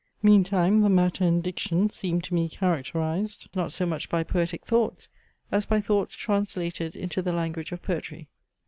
Meantime the matter and diction seemed to me characterized not so much by poetic thoughts, as by thoughts translated into the language of poetry.